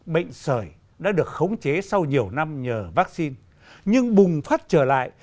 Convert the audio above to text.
bệnh sởi đã được khống chế sau nhiều năm nhờ vaccine nhưng bùng phát trở lại